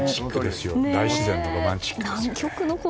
大自然のロマンチックですね。